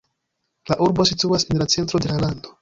La urbo situas en la centro de la lando.